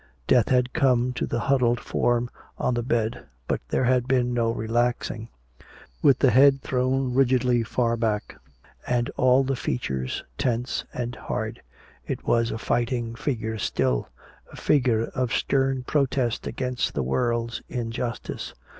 Death had come to the huddled form on the bed, but there had been no relaxing. With the head thrown rigidly far back and all the features tense and hard, it was a fighting figure still, a figure of stern protest against the world's injustice.